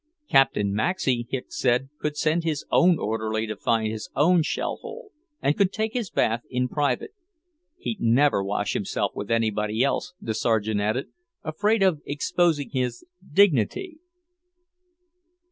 Captain Maxey, Hicks said, could send his own orderly to find his own shell hole, and could take his bath in private. "He'd never wash himself with anybody else," the Sergeant added. "Afraid of exposing his dignity!"